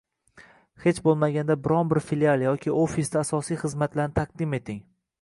Hech bo'lmaganda biron bir filial yoki ofisda asosiy xizmatlarni taqdim eting